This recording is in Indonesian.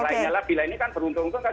lainnya lah bila ini kan beruntung untung kan